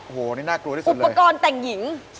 โอ้โหนี่น่ากลัวที่สุดอุปกรณ์แต่งหญิง